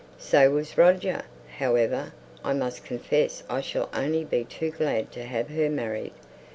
"So was Roger. However, I must confess I shall be only too glad to have her married.